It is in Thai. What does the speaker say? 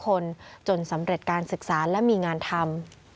ทุกคนจนสำเร็จการศึกษาและมีงานธรรม